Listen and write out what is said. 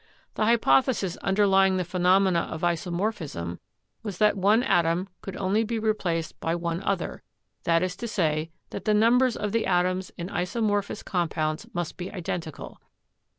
The hypothesis underlying the phenomena of isomorphism was that one atom could only be replaced by one other; that is to say, that the numbers of the atoms in isomorphous compounds must be identical.